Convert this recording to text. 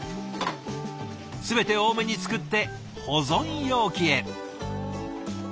全て多めに作って保存容器へ。